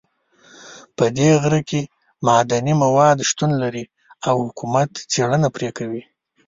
په دې غره کې معدني مواد شتون لري او حکومت څېړنه پرې کوي